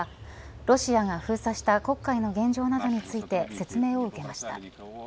ロシアが封鎖した黒海の現状などについて説明を受けました。